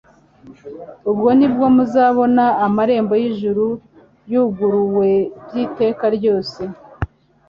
Ubwo nibwo muzabona amarembo y'ijuru yuguruwe by'iteka ryose.